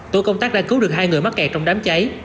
tổ công tác đã cứu được hai người mắc kẹt trong đám cháy